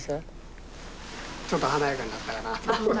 ちょっと華やかになったかな？